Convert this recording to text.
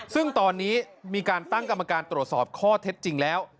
ซึ่งตอนนี้มีการตั้งกรรมการตรวจสอบข้อเท็จจริงแล้ว